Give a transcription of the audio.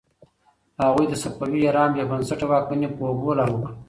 هغوی د صفوي ایران بې بنسټه واکمني په اوبو لاهو کړه.